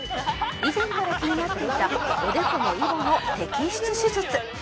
「以前から気になっていたおでこのイボの摘出手術」